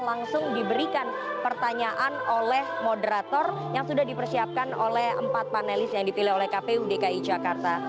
langsung diberikan pertanyaan oleh moderator yang sudah dipersiapkan oleh empat panelis yang dipilih oleh kpu dki jakarta